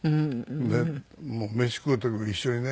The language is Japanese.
で飯食う時も一緒にね。